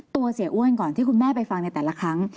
เสียอ้วนก่อนที่คุณแม่ไปฟังในแต่ละครั้ง